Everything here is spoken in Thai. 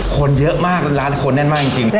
คนเยอะมากล้านคนแน่นมากจริง